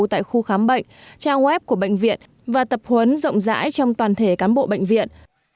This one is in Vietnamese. tại khu khám bệnh trang web của bệnh viện và tập huấn rộng rãi trong toàn thể cán bộ bệnh viện